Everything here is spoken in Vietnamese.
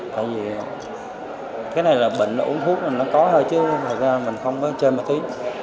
tại vì cái này là bệnh là uống thuốc là nó có thôi chứ mình không có chơi ma túy